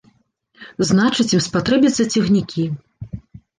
Значыць, ім спатрэбяцца цягнікі.